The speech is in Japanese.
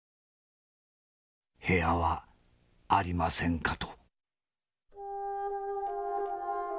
『部屋はありませんか？』と」。